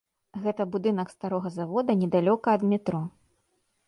Гэта будынак старога завода, недалёка ад метро.